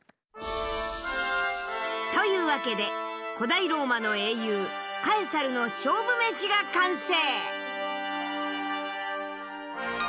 というわけで古代ローマの英雄カエサルの勝負メシが完成。